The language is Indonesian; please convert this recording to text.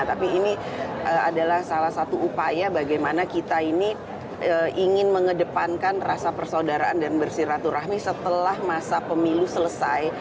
tapi ini adalah salah satu upaya bagaimana kita ini ingin mengedepankan rasa persaudaraan dan bersiraturahmi setelah masa pemilu selesai